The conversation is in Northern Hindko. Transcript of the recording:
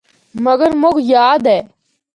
مگر مُک یاد اے۔